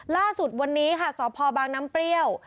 ล่าสุดวันนี้ค่ะสพบางน้ำเปรี้ยว